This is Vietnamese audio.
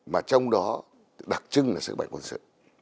mà trong đó đặc trưng là sức mạnh quân sự